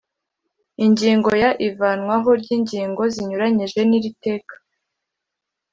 ingingo ya ivanwaho ry ingingo zinyuranyije n iri teka